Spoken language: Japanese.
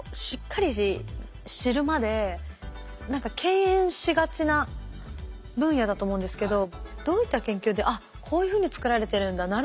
しっかり知るまで何か敬遠しがちな分野だと思うんですけどどういった研究であっこういうふうに作られてるんだ。